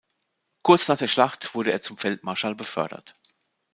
Kurz nach der Schlacht wurde er zum Feldmarschall befördert.